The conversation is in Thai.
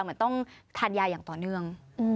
เหมือนต้องทานยาอย่างต่อเนื่อง